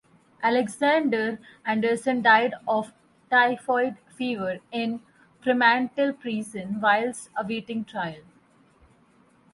Alexander Anderson died of typhoid fever in Fremantle Prison whilst awaiting trial.